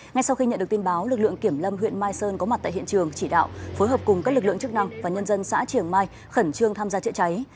ngay sau khi nhận được tin báo lực lượng kiểm lâm huyện mai sơn có mặt tại hiện trường chỉ đạo phối hợp cùng các lực lượng chức năng và nhân dân xã triển mai khẩn trương tham gia chữa cháy